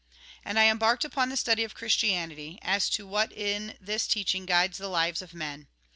And I embarked upon tlie study of Christianity, as to what in this teaching guides the lives of men.